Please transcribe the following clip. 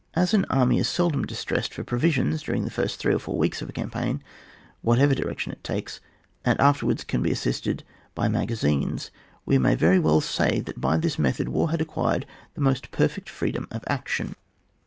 As an army is seldom distressed for provisions during the first three or four weeks of a cam paign whatever direction it takes, and afterwards can be assisted by maga zines, we may very well say that by this method war has acquired the most perfect freedom of action.